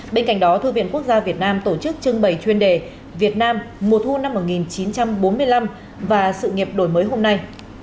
bên cạnh đó thư viện quốc gia việt nam tổ chức trưng bày chuyên đề việt nam mùa thu năm một nghìn chín trăm bốn mươi năm và sự nghiệp đổi mới hôm nay